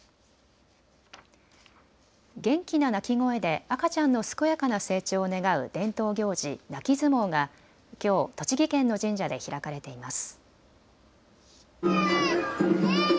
元気な泣き声で赤ちゃんの健やかな成長を願う伝統行事、泣き相撲がきょう栃木県の神社で開かれています。